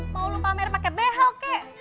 mau lo pamer pake behel kek